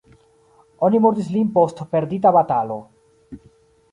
Oni murdis lin post perdita batalo.